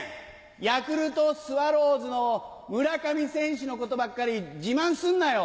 ヤクルトスワローズの村上選手のことばっかり自慢すんなよ！